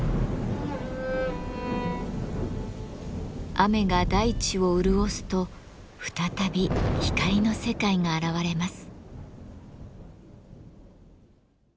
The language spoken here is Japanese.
雨が大地を潤すと再び光の世界が現れます。